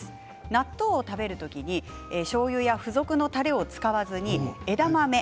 納豆を食べる時にしょうゆや付属のたれを使わずに枝豆。